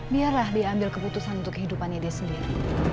biarlah dia ambil keputusan untuk kehidupannya dia sendiri